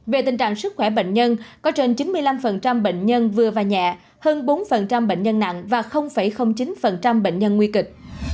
về tình trạng sức khỏe bệnh nhân có trên chín mươi năm bệnh nhân vừa và nhẹ hơn bốn bệnh nhân nặng và chín bệnh nhân nguy kịch